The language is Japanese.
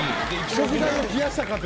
食材を冷やした家族。